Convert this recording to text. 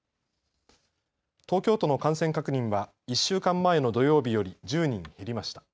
東京都の感染確認は１週間前の土曜日より１０人減りました。